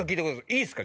いいっすか？